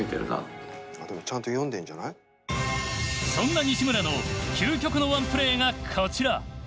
そんな西村の究極のワンプレーがこちら。